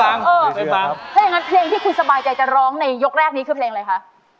ถ้าอย่างนั้นเพลงที่คุณสบายใจจะร้องในยกแรกนี้คือเพลงอะไรคะ